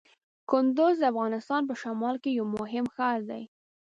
کندز د افغانستان په شمال کې یو مهم ښار دی.